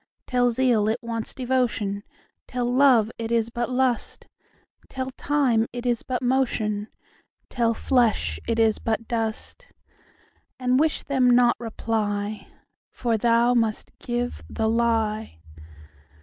Tell zeal it wants devotion; Tell love it is but lust; Tell time it is but motion; Tell flesh it is but dust:And wish them not reply, For thou must give the lie.